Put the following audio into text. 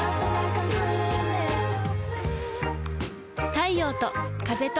太陽と風と